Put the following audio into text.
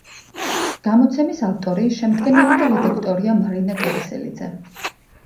გამოცემის ავტორი, შემდგენელი და რედაქტორია მარინა კერესელიძე.